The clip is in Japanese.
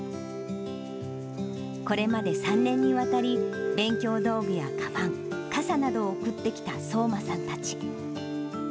これまで３年にわたり、勉強道具やかばん、傘などを送ってきた聡真さんたち。